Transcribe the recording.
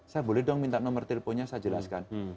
saya boleh dong minta nomor teleponnya saya jelaskan